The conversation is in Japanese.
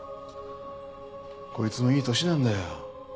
こいつもいい年なんだよ。